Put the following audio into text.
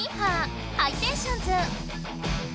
ハイテンションズ。